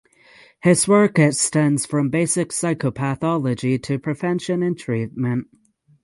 His work extends from basic psychopathology to prevention and treatment.